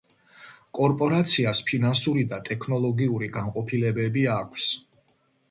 კორპორაციას ფინანსური და ტექნოლოგიური განყოფილებები აქვს.